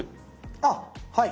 あっはい。